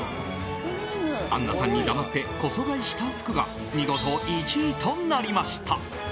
あんなさんに黙ってコソ買いした服が見事１位となりました。